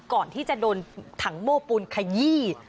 ก่อนที่จะโดนถังโม้ปูนขยี้